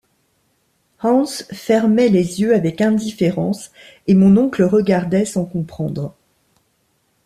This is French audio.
Hans fermait les yeux avec indifférence, et mon oncle regardait sans comprendre.